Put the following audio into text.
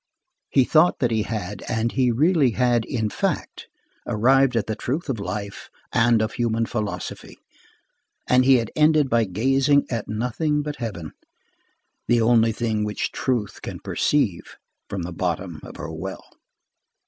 He thought that he had, and he really had, in fact, arrived at the truth of life and of human philosophy, and he had ended by gazing at nothing but heaven, the only thing which Truth can perceive from the bottom of her well.